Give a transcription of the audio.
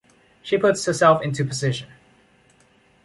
She puts herself into position.